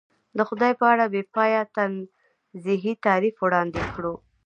د خدای په اړه بې پایه تنزیهي تعریف وړاندې کړو.